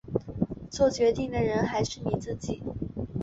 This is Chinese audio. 作决定的人还是你自己